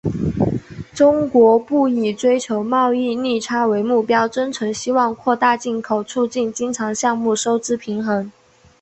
中国不以追求贸易逆差为目标，真诚希望扩大进口，促进经常项目收支平衡。